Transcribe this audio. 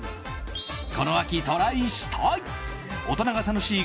この秋トライしたい！